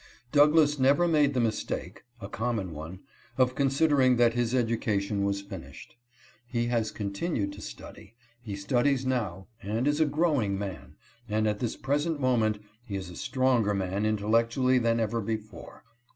Douglass never made the mistake (a common one) of considering that his education was finished. He has con tinued to study, he studies now, and is a growing man, and at this present moment he is a stronger man intellectually than ever before.